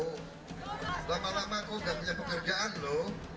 lama lama kau gak punya pekerjaan loh karena rakyat gak percaya dengan kamu punya pekerjaan itu